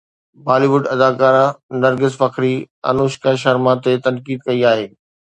بالي wood اداڪارا نرگس فخري انوشڪا شرما تي تنقيد ڪئي آهي